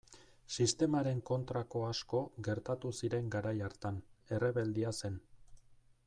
Sistemaren kontrako asko gertatu ziren garai hartan, errebeldia zen.